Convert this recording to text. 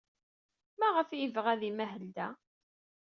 Maɣef ay yebɣa ad imahel da?